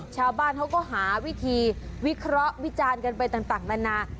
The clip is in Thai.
ชาวบ้านเขาก็หาวิธีวิเคราะห์วิจารณ์กันไปต่างนานา